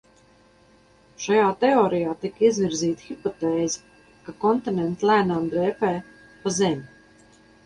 Šajā teorijā tika izvirzīta hipotēze, ka kontinenti lēnām dreifē pa Zemi.